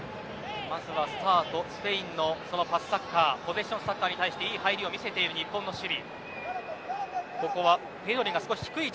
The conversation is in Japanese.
まずスタートはスペインのパスサッカーポゼッションサッカーに対していい入りを見せている日本の守備。